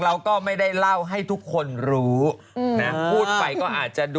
วิเจจากกรรมชลมชาย